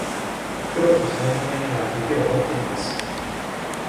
黒と茶色の犬が雪を掘っています。